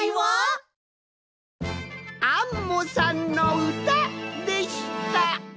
「アンモさんのうた」でした！